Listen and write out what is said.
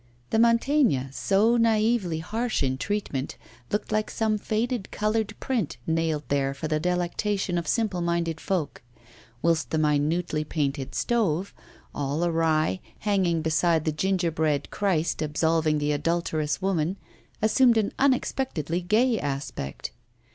The Mantegna, so naively harsh in treatment, looked like some faded coloured print nailed there for the delectation of simple minded folk; whilst the minutely painted stove, all awry, hanging beside the gingerbread Christ absolving the adulterous woman, assumed an unexpectedly gay aspect.